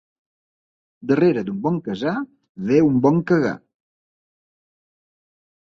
Darrere d'un bon casar, ve un bon cagar.